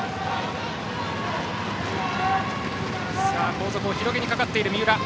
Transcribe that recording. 後続を広げにかかっている三浦。